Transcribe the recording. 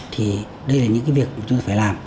thì đây là những việc chúng ta phải làm